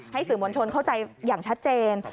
สื่อมวลชนเข้าใจอย่างชัดเจน